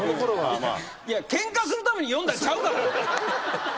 いやケンカするために呼んだんちゃうからね。